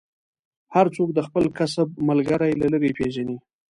هر څوک د خپل کسب ملګری له لرې پېژني.